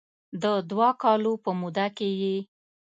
د دوه کالو په موده کې یې